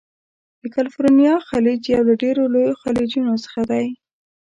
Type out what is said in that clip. د کلفورنیا خلیج یو له ډیرو لویو خلیجونو څخه دی.